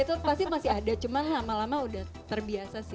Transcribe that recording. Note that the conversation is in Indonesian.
itu pasti masih ada cuman lama lama udah terbiasa sih